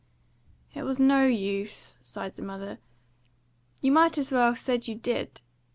"It was no use," sighed the mother. "You might as well said you did.